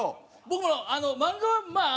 僕も漫画はまあ。